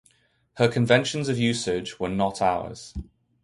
Her conventions of usage were not ours.